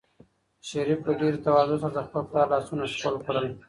شریف په ډېرې تواضع سره د خپل پلار لاسونه ښکل کړل.